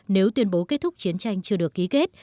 nếu tuyên bố kết thúc chiến tranh chưa được ký kết